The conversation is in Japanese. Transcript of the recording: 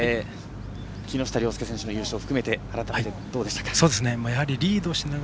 木下稜介選手の優勝含めて改めていかがでしたか。